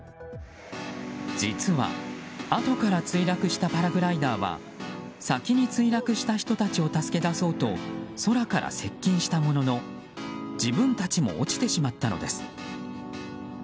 実はあとから墜落したパラグライダーは先に墜落した人たちを助け出そうと空から接近したものの自分たちも落ちてしまったのです。